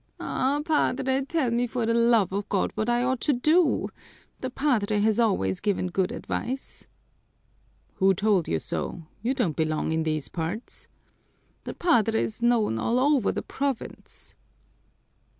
"Ah, Padre, tell me for the love of God what I ought to do. The padre has always given good advice." "Who told you so? You don't belong in these parts." "The padre is known all over the province."